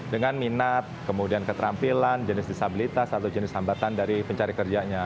dengan minat kemudian keterampilan jenis disabilitas atau jenis hambatan dari pencari kerjanya